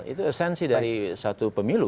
itu esensi dari satu pemilu